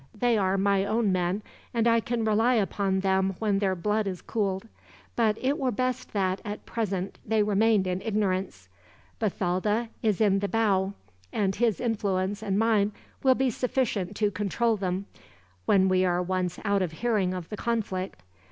They are my own men, and I can rely upon them when their blood is cooled; but it were best that, at present, they remained in ignorance. Bathalda is in the bow, and his influence and mine will be sufficient to control them, when we are once out of hearing of the conflict.